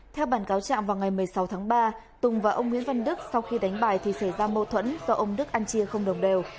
một mươi sáu tháng ba tùng và ông nguyễn văn đức sau khi đánh bài thì xảy ra mâu thuẫn do ông đức ăn chia không đồng đều